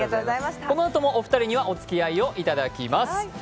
このあともお二人には、おつきあいをいただきます。